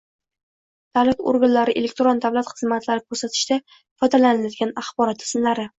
davlat organlari elektron davlat xizmatlari ko‘rsatishda foydalaniladigan axborot tizimlari